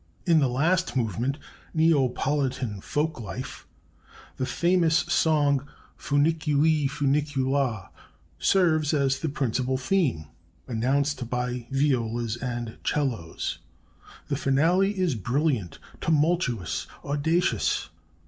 In the last movement, "Neapolitan Folk life," the famous song "Funiculi, Funicula," serves as the principal theme, announced by violas and 'cellos. "The finale is brilliant, tumultuous, audacious."